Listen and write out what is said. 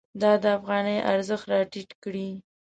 دا د افغانۍ ارزښت راټیټ کړی.